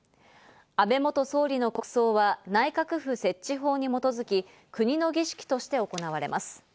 安倍元総理の国葬は内閣府設置法に基づき、国の儀式として行われます。